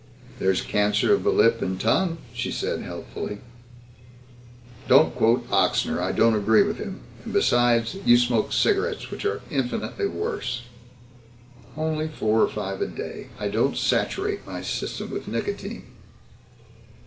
"There's cancer of the lip and tongue," she said helpfully. "Don't quote Ochsner. I don't agree with him. And besides, you smoke cigarettes, which are infinitely worse." "Only four or five a day. I don't saturate my system with nicotine."